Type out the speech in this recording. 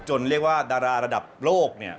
เรียกว่าดาราระดับโลกเนี่ย